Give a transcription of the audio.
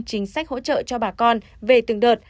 chính sách hỗ trợ cho bà con về từng đợt